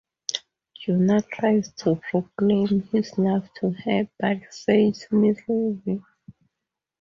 Junior tries to proclaim his love to her, but fails miserably.